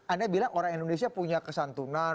anda bilang orang indonesia punya kesantunan